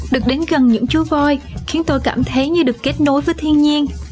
được đến gần những chú voi khiến tôi cảm thấy như được kết nối với thiên nhiên